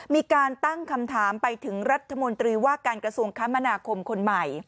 มีการตั้งคำถามไปถึงรัฐมนตรีว่าการกระทรวงคมนาคมคนใหม่